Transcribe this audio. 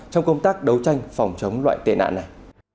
trong công tác đấu tranh phòng chống loại tệ nạn này